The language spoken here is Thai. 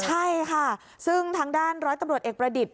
ใช่ค่ะซึ่งทางด้านร้อยตำรวจเอกประดิษฐ